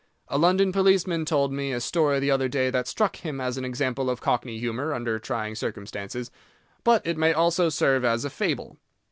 A London policeman told me a story the other day that struck him as an example of Cockney humour under trying circumstances. But it may also serve as a fable.